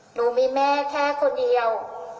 หนูมีแม่แค่คนเดียว